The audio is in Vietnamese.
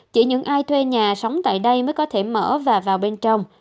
chỉ những ai thuê nhà sống tại đây mới có thể mở và vào bên trong